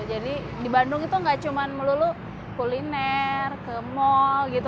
jadi di bandung itu gak cuman melulu kuliner ke mall gitu